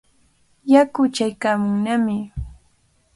Yaku chaykaamunnami.